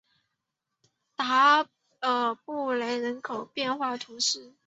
达尔布雷人口变化图示